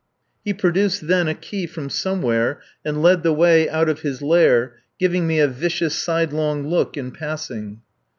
He produced then a key from somewhere and led the way out of his lair, giving me a vicious sidelong look in passing.